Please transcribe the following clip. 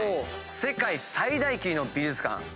世界最大級の美術館。